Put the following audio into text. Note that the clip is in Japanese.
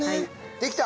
できた！